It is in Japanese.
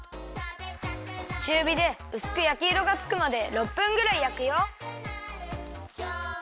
ちゅうびでうすくやきいろがつくまで６分ぐらいやくよ。